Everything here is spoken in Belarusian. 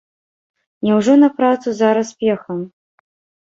Няўжо на працу зараз пехам?